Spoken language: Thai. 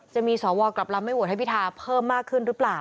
จะมีสวกลับลำไม่โหวตให้พิทาเพิ่มมากขึ้นหรือเปล่า